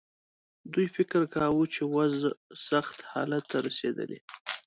دوی فکر کاوه چې وضع سخت حالت ته رسېدلې.